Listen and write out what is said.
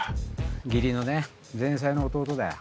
義理のね前妻の弟だよ。